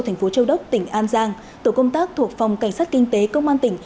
thành phố châu đốc tỉnh an giang tổ công tác thuộc phòng cảnh sát kinh tế công an tỉnh